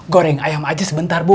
goreng ayam aja sebentar bu